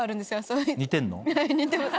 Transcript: はい似てます。